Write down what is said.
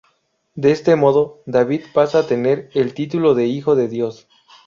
De este modo, David pasa a tener el título de Hijo de Dios.